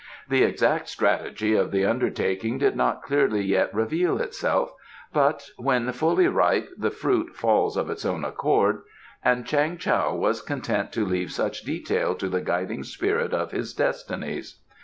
The exact strategy of the undertaking did not clearly yet reveal itself, but "When fully ripe the fruit falls of its own accord," and Chang Tao was content to leave such detail to the guiding spirits of his destinies.